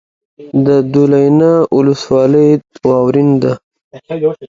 د دولینه ولسوالۍ واورین ده